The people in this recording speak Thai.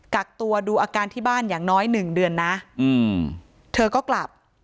กักตัวดูอาการที่บ้านอย่างน้อยหนึ่งเดือนนะอืมเธอก็กลับ